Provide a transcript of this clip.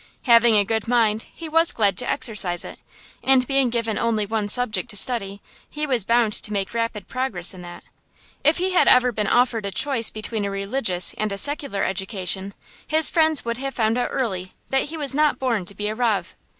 Having a good mind, he was glad to exercise it; and being given only one subject to study he was bound to make rapid progress in that. If he had ever been offered a choice between a religious and a secular education, his friends would have found out early that he was not born to be a rav.